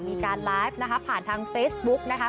มีการไลฟ์นะคะผ่านทางเฟซบุ๊กนะคะ